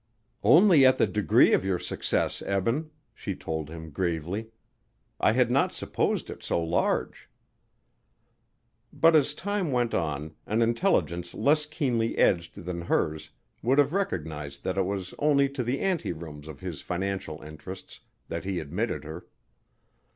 "Only at the degree of your success, Eben," she told him gravely; "I had not supposed it so large." But as time went on, an intelligence less keenly edged than hers would have recognized that it was only to the anterooms of his financial interests that he admitted her.